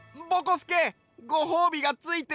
すけごほうびがついてるよ！